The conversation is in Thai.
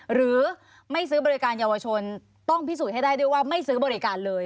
หรือไม่ซื้อบริการเยาวชนต้องพิสูจน์ให้ได้ด้วยว่าไม่ซื้อบริการเลย